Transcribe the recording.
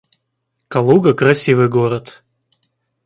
Калуга — красивый город